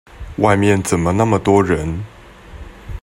外面怎麼那麼多人？